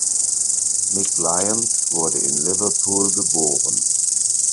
Mick Lyons wurde in Liverpool geboren.